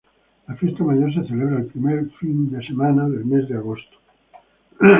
La fiesta mayor se celebra el primer fin de semana del mes de agosto.